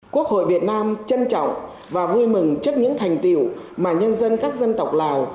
quốc hội việt nam trân trọng và vui mừng trước những thành tiệu mà nhân dân các dân tộc lào